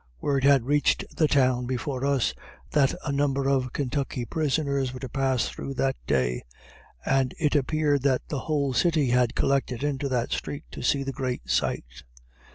Word had reached the town before us, that a number of Kentucky prisoners were to pass through that day; and it appeared that the whole city had collected into that street to see the great sight.